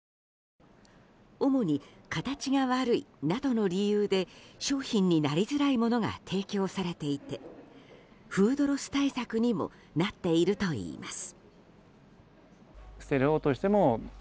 主に形が悪いなどの理由で商品になりづらいものが提供されていてフードロス対策にもなっているといいます。